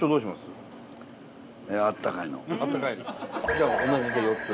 じゃあ同じで４つ。